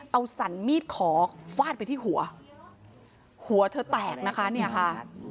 เอาสรรมีดขอฟาดไปที่หัวหัวเธอแตกนะคะเนี่ยค่ะ